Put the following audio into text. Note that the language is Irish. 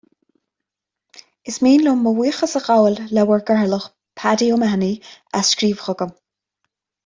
Is mian liom mo bhuíochas a ghabháil le bhur gCathaoirleach, Paddy O'Mahony, as scríobh chugam